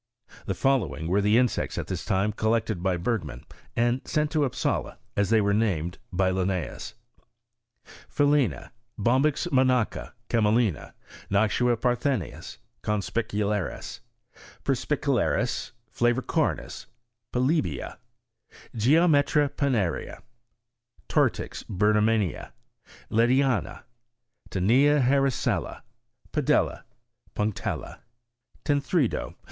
The following were the insects aft this time collected by Bergman, and sent to Upsala, as they were named by liimaeas : PhaUena. Bombyx monacha, cameKna. Noctua PartheniaSy con^piciDam. Perspicillaris, flavicomis, Plebeia* Geometra pennaria. Tortrix Bergmanniana, Lediana. Tinea Harrisella, Pedella, Punctdla. Tenthredo.